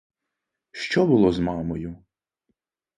Що було з мамою?